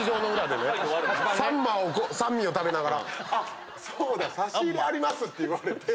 サンミーを食べながら「そうだ。差し入れあります」って言われて。